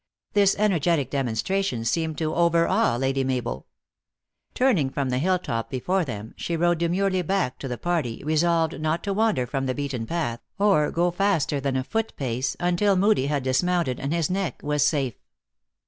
This energetic demonstration seemed to overawe Lady Mabel. Turning from the hill top be fore them, she rode demurely back to the party, re solved not to wander from the beaten path, or go faster than a foot pace, until Moodie had dismounted, and his neck was safe.